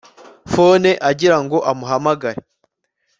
phone agira ngo amuhamagare